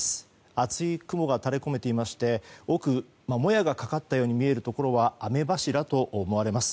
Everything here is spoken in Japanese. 厚い雲が垂れ込めていまして奥、もやがかかったように見えるところは雨柱と思われます。